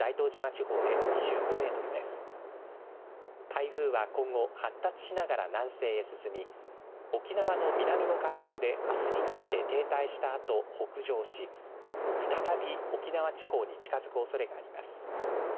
台風は今後、発達しながら南西へ進み沖縄の南の海上であすにかけて停滞したあと北上し、再び沖縄地方に近づくおそれがあります。